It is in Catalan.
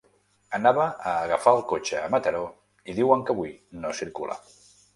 Anava a agafar el cotxe a Mataró i diuen que avui no circula.